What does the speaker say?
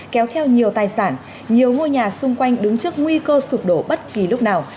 kéo theo nhiều tài sản nhiều ngôi nhà xung quanh đứng trước nguy cơ sụp đổ bất kỳ lúc nào